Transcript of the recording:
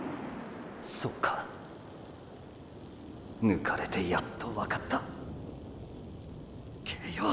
そうか抜かれてやっと分かったけよ！